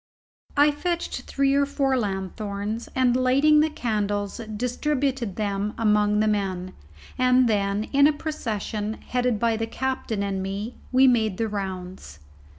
I fetched three or four lanthorns, and, lighting the candles, distributed them among the men, and then, in a procession, headed by the captain and me, we made the rounds.